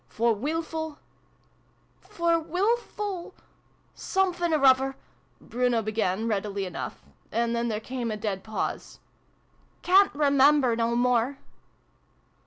For wilful "For wifful siimfinoruvver " Bruno be gan, readily enough ; and then there came a dead pause. " Ca'n't remember no more